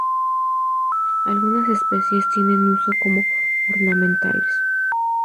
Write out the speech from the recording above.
Algunas especies tienen uso como ornamentales.